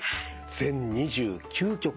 全２９曲。